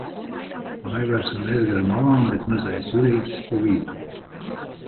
Aivars un es gar malām, bet mazais Jurītis pa vidu.